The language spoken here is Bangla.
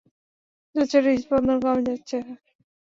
জশের হৃদস্পন্দন কমে যাচ্ছে।